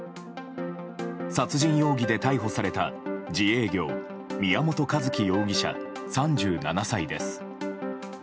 殺人容疑で逮捕された自営業宮本一希容疑者、３７歳です。